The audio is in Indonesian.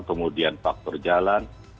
kemudian faktor jalan